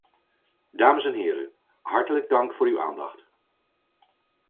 Dames en heren, hartelijk dank voor uw aandacht!